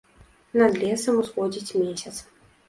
Над лесам усходзіць месяц.